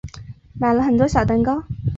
买了很多小蛋糕